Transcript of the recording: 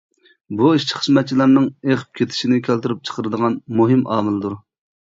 بۇ ئىشچى-خىزمەتچىلەرنىڭ ئېقىپ كېتىشنى كەلتۈرۈپ چىقىرىدىغان مۇھىم ئامىلدۇر.